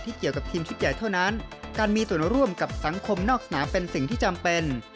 เกี่ยวกับทีมชุดใหญ่เท่านั้นการมีส่วนร่วมกับสังคมนอกสนามเป็นสิ่งที่จำเป็น